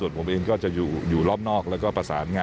เรียนหันนิดนึงคุณแม่แก้ไปเลย